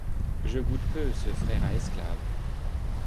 Je goûte peu ce frère à esclaves.